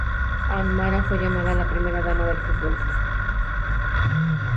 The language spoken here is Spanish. Ann Mara fue llamada la "Primera dama del Fútbol.